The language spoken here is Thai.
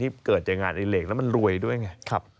ที่เกิดทีงานและมันรวยด้วยไง